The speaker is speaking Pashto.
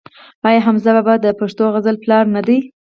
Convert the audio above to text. آیا حمزه بابا د پښتو غزل پلار نه دی؟